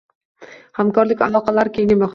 Hamkorlik aloqalari kengaymoqda